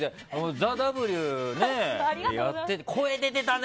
「ＴＨＥＷ」、やってたね。